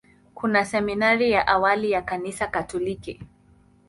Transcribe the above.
Kuna seminari ya awali ya Kanisa Katoliki.